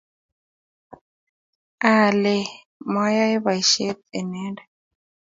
aaalen mayae boishet inendet